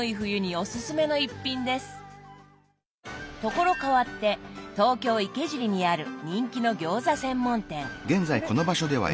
所変わって東京・池尻にある人気の餃子専門店。